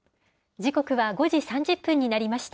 時刻は５時３０分になりました。